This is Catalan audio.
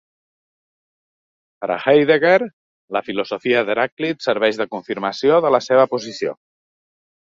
Per a Heidegger, la filosofia d'Heràclit serveix de confirmació de la seva posició.